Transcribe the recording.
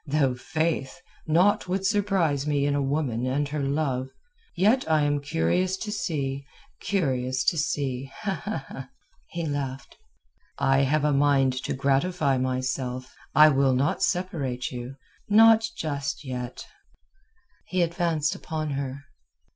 Though, faith, naught would surprise me in a woman and her love. Yet I am curious to see—curious to see." He laughed. "I have a mind to gratify myself. I will not separate you—not just yet." He advanced upon her.